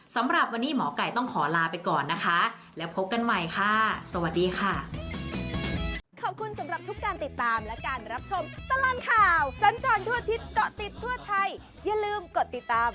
สำหรับวันนี้หมอไก่ต้องขอลาไปก่อนนะคะแล้วพบกันใหม่ค่ะสวัสดีค่ะ